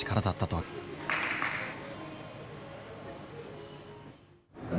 はい！